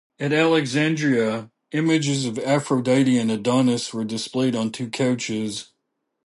At Alexandria, images of Aphrodite and Adonis were displayed on two couches.